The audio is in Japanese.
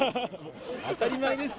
当たり前ですよ。